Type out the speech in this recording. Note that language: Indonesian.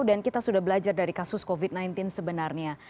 dan kita sudah belajar dari kasus covid sembilan belas sebenarnya